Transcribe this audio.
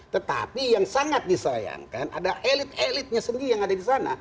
tetapi yang sangat disayangkan ada elit elitnya sendiri yang ada di sana